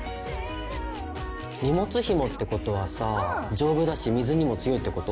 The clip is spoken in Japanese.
荷物ひもってことはさ丈夫だし水にも強いってこと？